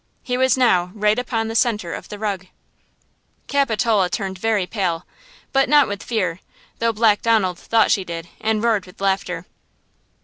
He was now right upon the center of the rug Capitola turned very pale, but not with fear, though Black Donald thought she did, and roared with laughter.